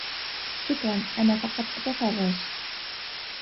شكراً, أنا فقط أتفرج.